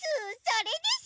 それです！